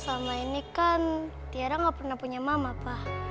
selama ini kan tiara gak pernah punya mama pak